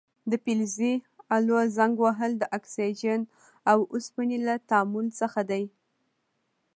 د فلزي الو زنګ وهل د اکسیجن او اوسپنې له تعامل څخه دی.